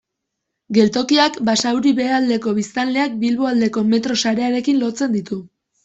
Geltokiak Basauri behealdeko biztanleak Bilboaldeko metro sarearekin lotzen ditu.